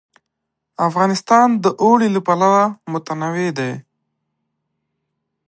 افغانستان د اوړي له پلوه متنوع دی.